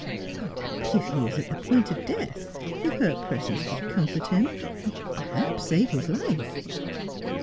' But if he is at the point of death — if her presence could comfort him — perhaps save his life.'